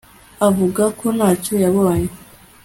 avuga ko ntacyo yabonye